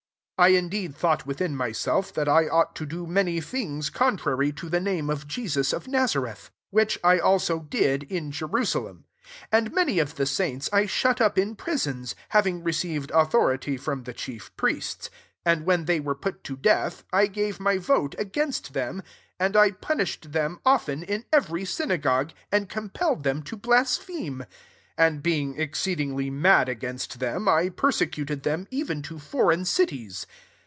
9 " I indeed thought within mjrseif, that I ought to do many things contrary to the name of Jesus of Nagcareth i 10 which I also did, in Jerusalem t and many of the saints I shut up in prisons, having received au thority from the chief priests ; and, when they were put to death, I gave my vote against ihem :] 1 and I punished thenn often in every synagogue, and compelled them to blaspheme ; and, being exceedingly mad against them, I persecuted tkem, even to foreign cities.